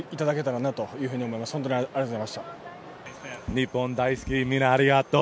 ニッポン大好き、みんなありがとう。